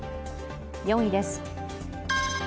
４位です。